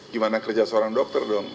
gimana kerja seorang dokter dong ya kan